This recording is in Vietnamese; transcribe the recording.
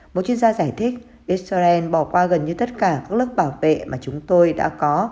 một chuyên gia giải thích israel bỏ qua gần như tất cả các lớp bảo vệ mà chúng tôi đã có